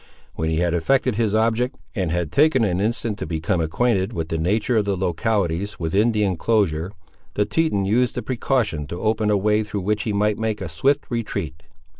When he had effected his object, and had taken an instant to become acquainted with the nature of the localities within the enclosure, the Teton used the precaution to open a way through which he might make a swift retreat.